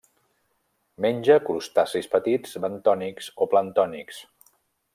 Menja crustacis petits bentònics o planctònics.